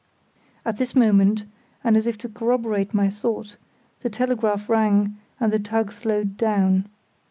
At this moment, and as if to corroborate my thought, the telegraph rang and the tug slowed down.